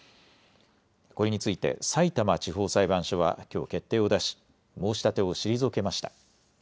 これについてさいたま地方裁判所はきょう決定を出し申し立てを退けました。